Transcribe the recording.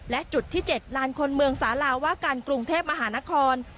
และจุดที่๗ลานคนเมืองสาลาว่าการกรุงเทพมหานคร